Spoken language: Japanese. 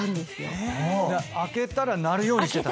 開けたら鳴るようにしてた？